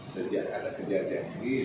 sejak ada kejadian ini